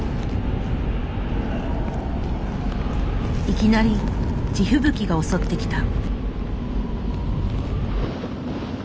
いきなり地吹雪が襲ってきた。